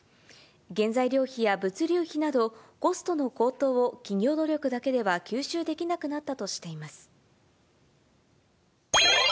原材料費や物流費など、コストの高騰を企業努力だけでは吸収できなくなったとしています。